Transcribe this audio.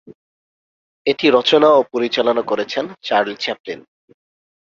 এটি রচনা ও পরিচালনা করেছেন চার্লি চ্যাপলিন।